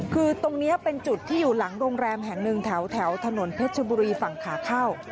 คือตรงนี้เป็นจุดที่อยู่หลังโรงแรมแห่งหนึ่งแถวถนนเพชรบุรีฝั่งขาเข้า